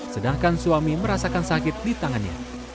sedangkan suami merasakan sakit di tangannya